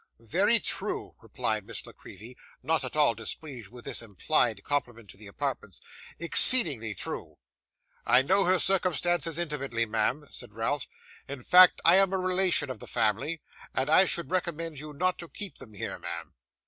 'Very true,' replied Miss La Creevy, not at all displeased with this implied compliment to the apartments. 'Exceedingly true.' 'I know her circumstances intimately, ma'am,' said Ralph; 'in fact, I am a relation of the family; and I should recommend you not to keep them here, ma'am.